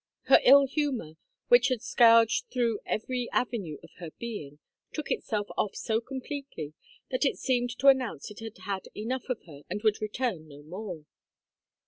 Her ill humor, which had scourged through every avenue of her being, took itself off so completely that it seemed to announce it had had enough of her and would return no more.